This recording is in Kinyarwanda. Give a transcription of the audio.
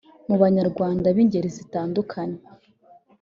Mu banyarwanda b’ingeri zitandukanye